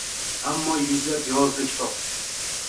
Аmmo yuzlab yozdi kitob